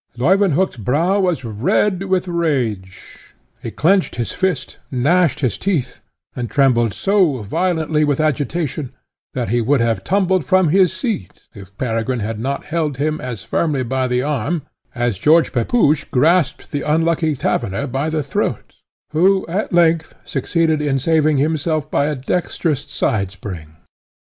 Leuwenhock's brow was red with rage; he clenched his fist, gnashed his teeth, and trembled so violently with agitation, that he would have tumbled from his seat, if Peregrine had not held him as firmly by the arm as George Pepusch grasped the unlucky taverner by the throat, who at length succeeded in saving himself by a dexterous side spring.